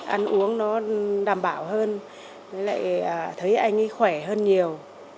ăn uống nó đảm bảo hơn với lại thấy anh ấy khỏe hơn nhiều